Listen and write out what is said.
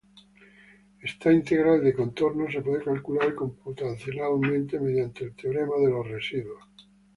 Esta integral de contorno se puede calcular computacionalmente mediante el teorema de los residuos.